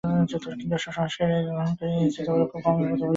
কিন্তু ওসব সংস্কারে সাহায্য গ্রহণকারী দেশের মতামত খুব কমই প্রতিফলিত হয়েছে।